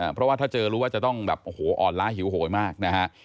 เพราะว่าถ้าเจอรู้ว่าจะต้องแบบโอ้โหอ่อนล้าหิวโหยมากนะฮะ